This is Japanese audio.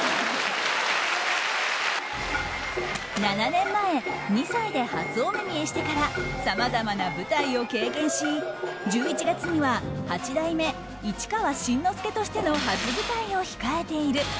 ７年前２歳で初お目見えしてからさまざまな舞台を経験し１１月には八代目市川新之助としての初舞台を控えている。